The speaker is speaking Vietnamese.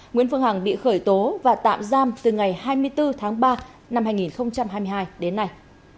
nguyễn phương hằng bị khởi tố và tạm giam từ ngày hai mươi bốn tháng ba năm hai nghìn hai mươi hai đến nay